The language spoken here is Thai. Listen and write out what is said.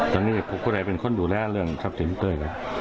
แล้วนี้พวกเจ้าไรเป็นคนดูแลเรื่องสรับสรินทร์กัน